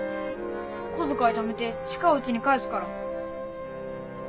小遣いためて近いうちに返すから。